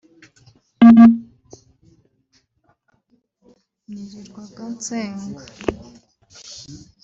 nirirwaga nsenga